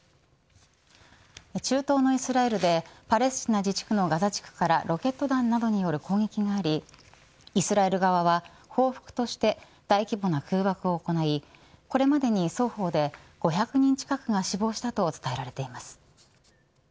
中東のイスラエルでパレスチナ自治区のガザ地区からロケット弾などによる攻撃がありイスラエル側は報復として大規模な空爆を行いこれまでに双方で５００人近くが死亡したと伝えられています。